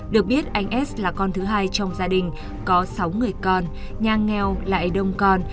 được biết anh s là con thứ hai trong gia đình có sáu người con nhà nghèo lại đông con